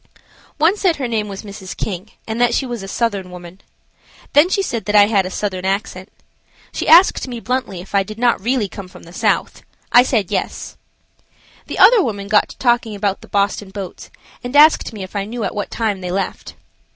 One said her name was Mrs. King and that she was a Southern woman. Then she said that I had a Southern accent. She asked me bluntly if I did not really come from the South. I said "Yes." The other woman got to talking about the Boston boats and asked me if I knew at what time they left.